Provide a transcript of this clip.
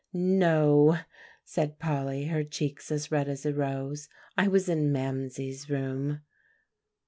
] "No," said Polly, her cheeks as red as a rose, "I was in Mamsie's room."